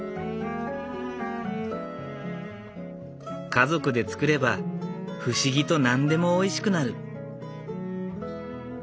家族で作れば不思議と何でもおいしくなる。